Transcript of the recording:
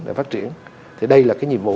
để phát triển thì đây là nhiệm vụ